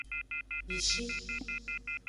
Bishi.